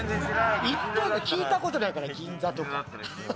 行ったって聞いたことないから銀座とか。